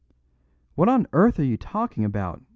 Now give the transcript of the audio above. "What on earth are you talking about?"